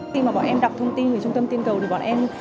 khi mà bọn em đọc thông tin về trung tâm tiên cầu thì bọn em